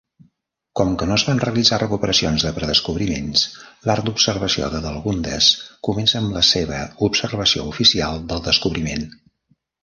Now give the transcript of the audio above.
Com no es van realitzar recuperacions de predescobriments, l'arc d'observació d'"Adelgunde"s comença amb la seva observació oficial del descobriment.